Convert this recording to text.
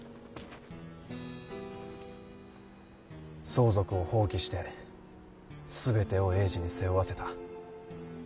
相続を放棄して全てを栄治に背負わせた。